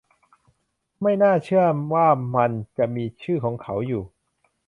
ไม่น่าเชื่อว่ามันจะมีชื่อของเขาอยู่